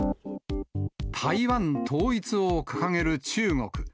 台湾統一を掲げる中国。